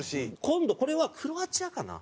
今度これはクロアチアかな？